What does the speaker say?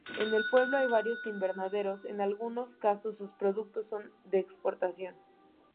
En el pueblo hay varios invernaderos, en algunos casos sus productos son de exportación.